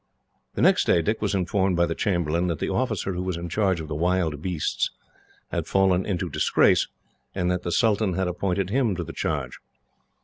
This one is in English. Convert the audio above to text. The next day, Dick was informed by the chamberlain that the officer who was in charge of the wild beasts had fallen into disgrace, and that the sultan had appointed him to the charge.